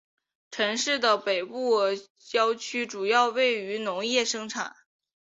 城市的北部郊区主要用于农业生产。